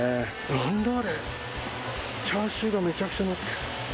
なんだあれ、チャーシューがめちゃくちゃ載ってる。